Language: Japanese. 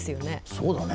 そうだね。